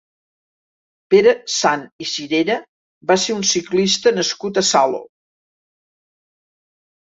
Pere Sant i Cirera va ser un ciclista nascut a Salo.